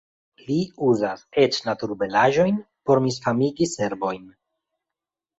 Li uzas eĉ naturbelaĵojn por misfamigi serbojn.